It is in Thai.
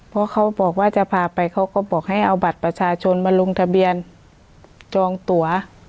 เพราะเขาบอกว่าจะพาไปเขาก็บอกให้เอาบัตรประชาชนมาลงทะเบียนจองตัว